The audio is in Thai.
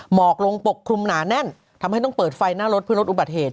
หมอกลงปกคลุมหนาแน่นทำให้ต้องเปิดไฟหน้ารถเพื่อลดอุบัติเหตุ